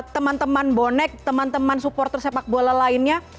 teman teman bonek teman teman supporter sepak bola lainnya